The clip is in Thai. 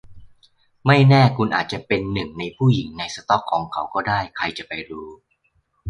ไม่แน่คุณอาจจะเป็นหนึ่งในผู้หญิงในสต็อกของเขาก็ได้ใครจะไปรู้